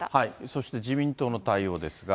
そして、自民党の対応ですが。